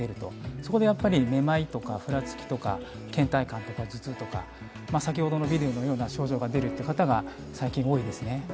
そこで目まいとか、ふらつきとかけん怠感とか頭痛とか、先ほどのビデオのような症状の出る方、多いですね。